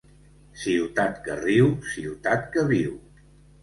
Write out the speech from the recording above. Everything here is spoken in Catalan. Ciutat que riu, ciutat que viu.